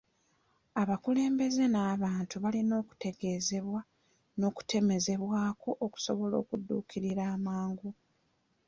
Abakulembeze n'abantu balina okutegeezebwa n'okutemezebwako okusobola okudduukirira mangu .